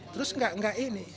terus gak ini